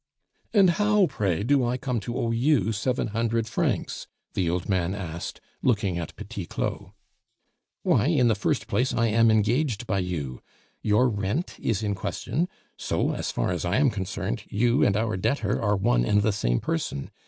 "And how, pray, do I come to owe you seven hundred francs?" the old man asked, looking at Petit Claud. "Why, in the first place, I am engaged by you. Your rent is in question; so, as far as I am concerned, you and our debtor are one and the same person.